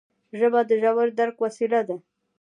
ژبه د ژور درک وسیله ده